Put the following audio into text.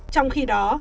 trong khi đó